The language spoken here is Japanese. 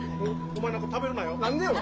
お前なんか食べるなよ。